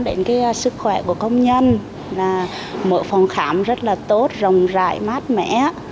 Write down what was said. đến sức khỏe của công nhân mở phòng khám rất là tốt rồng rải mát mẻ